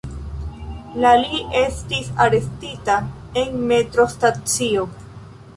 La li estis arestita en metro-stacio.